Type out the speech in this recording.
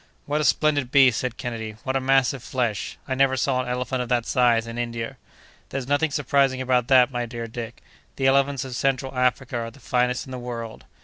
"What a splendid beast!" said Kennedy, "what a mass of flesh! I never saw an elephant of that size in India!" "There's nothing surprising about that, my dear Dick; the elephants of Central Africa are the finest in the world.